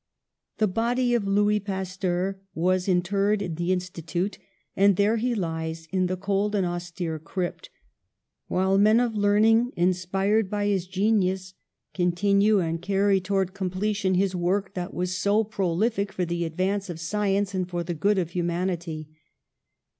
The body of Louis Pasteur was interred in the Institute, and there he lies, in the cold and austere crypt, while men of learning, inspired by his genius, continue and carry towards com 214 PASTEUR pletion his work that was so prolific for the ad vance of science and for the good of humanity.